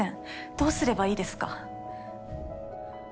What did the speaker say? どうすればいいですか？